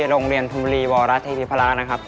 โรงเรียนธุมฤีวรัฐธิพิภาระนะครับ